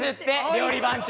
料理番長。